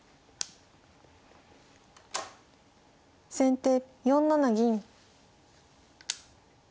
先手４七銀。